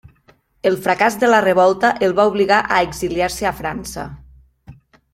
El fracàs de la revolta el va obligar a exiliar-se a França.